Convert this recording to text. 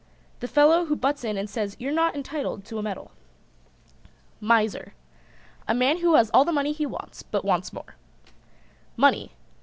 The fellow who butts in and says you're not entitled to a medal. MISER. A man who has all the money he wants but wants more. MONEY.